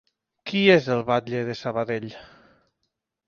Qui és el batlle de Sabadell?